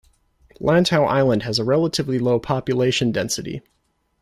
Lantau Island has a relatively low population density.